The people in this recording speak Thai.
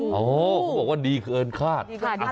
เขาบอกว่าดีเกินคาด